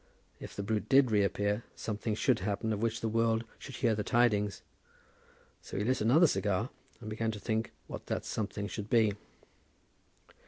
If the brute did reappear, something should happen of which the world should hear the tidings. So he lit another cigar, and began to think what that something should be.